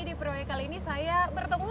di proyek kali ini saya bertemu